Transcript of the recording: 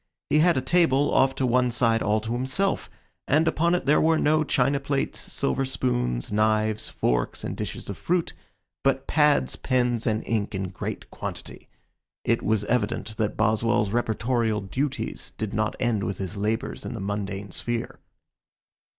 He had a table off to one side all to himself, and upon it there were no china plates, silver spoons, knives, forks, and dishes of fruit, but pads, pens, and ink in great quantity. It was evident that Boswell's reportorial duties did not end with his labors in the mundane sphere.